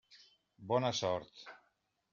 Bona sort!